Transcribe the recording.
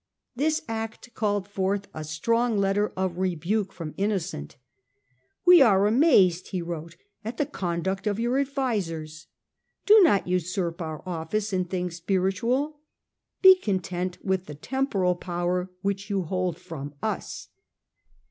This act called forth a strong letter of rebuke from Innocent. " We are amazed," he wrote, " at the conduct of your advisers. Do not usurp our office in things spiritual ; be content with the temporal power which you hold from us.